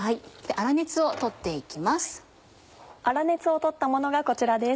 粗熱を取ったものがこちらです。